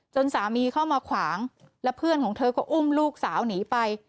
สามีเข้ามาขวางแล้วเพื่อนของเธอก็อุ้มลูกสาวหนีไป